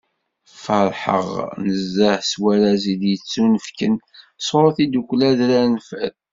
Feṛḥeɣ nezzeh s warraz i d-yettunefken sɣur tddukkla Adrar n Fad.